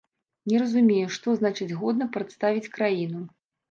Не разумею, што значыць, годна прадставіць краіну?